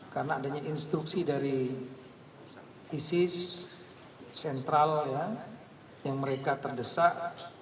karena adanya instruksi dari isis sentral yang mereka terdesak